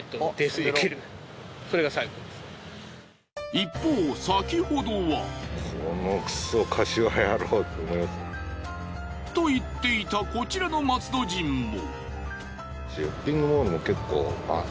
一方先ほどは。と言っていたこちらの松戸人も。